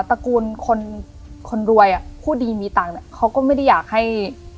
ตระกูลคนคนรวยอ่ะพูดดีมีตังค์เขาก็ไม่ได้อยากให้